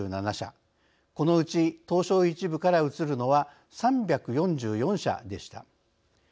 このうち東証１部から移るのは３４４社でした。